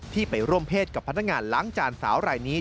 ไปร่วมเพศกับพนักงานล้างจานสาวรายนี้